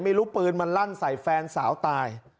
ไม่รู้ปืนมันลั่นใส่แฟนสาวตาย